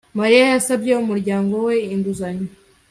Mariya yasabye umuryango we inguzanyo